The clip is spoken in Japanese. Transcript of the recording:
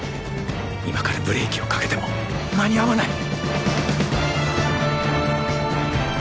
今からブレーキをかけても間に合わない